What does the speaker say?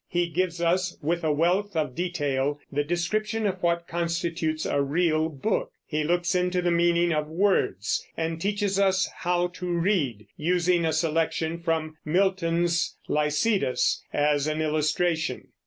He gives us, with a wealth of detail, a description of what constitutes a real book; he looks into the meaning of words, and teaches us how to read, using a selection from Milton's Lycidas as an illustration.